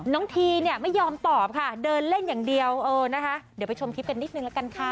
ทีเนี่ยไม่ยอมตอบค่ะเดินเล่นอย่างเดียวเออนะคะเดี๋ยวไปชมคลิปกันนิดนึงละกันค่ะ